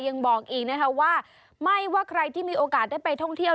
ยังบอกอีกนะคะว่าไม่ว่าใครที่มีโอกาสได้ไปท่องเที่ยว